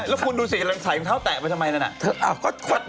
แล้วคุณดูสิใส่มันเท้าแตะไปทำไมนั่นอ่ะ